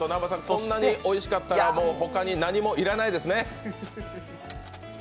そんなにおいしかったら、ほかに何もいらないですね？